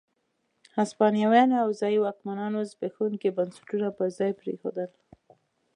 هسپانويانو او ځايي واکمنانو زبېښونکي بنسټونه پر ځای پرېښودل.